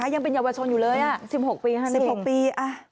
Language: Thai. ยังเป็นเยาวชนอยู่เลย๑๖ปี๑๖ปี